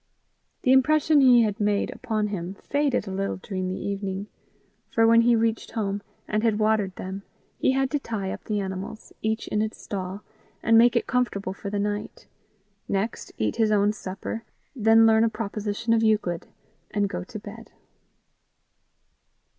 The impression he had made upon him faded a little during the evening. For when he reached home, and had watered them, he had to tie up the animals, each in its stall, and make it comfortable for the night; next, eat his own supper; then learn a proposition of Euclid, and go to bed.